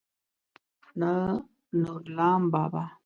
نه نورلام بابا.